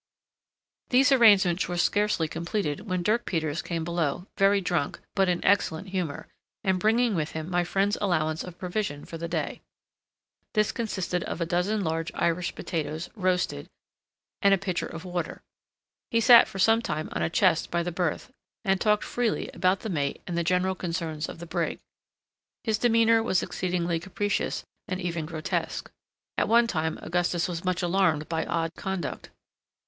These arrangements were scarcely completed when Dirk Peters came below, very drunk, but in excellent humour, and bringing with him my friend's allowance of provision for the day. This consisted of a dozen large Irish potatoes roasted, and a pitcher of water. He sat for some time on a chest by the berth, and talked freely about the mate and the general concerns of the brig. His demeanour was exceedingly capricious, and even grotesque. At one time Augustus was much alarmed by odd conduct.